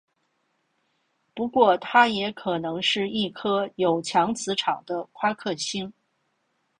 不过它也可能是一颗有强磁场的夸克星。